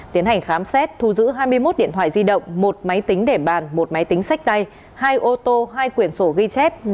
tiến hành khám xét thu giữ hai mươi một điện thoại di động một máy tính để bàn một máy tính sách tay hai ô tô hai quyển sổ ghi chép